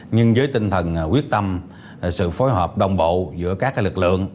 nhưng với tinh thần quyết tâm sự phối hợp đồng bộ giữa các lực lượng